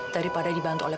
daripada dibantu oleh